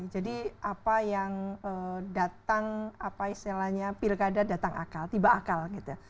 jadi apa yang datang apa istilahnya pilkada datang akal tiba akal gitu